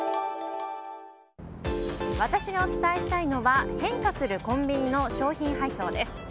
私がお伝えしたいのは変化するコンビニの商品配送です。